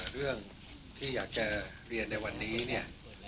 เรื่องที่อยากจะเรียนในวันนี้เนี่ย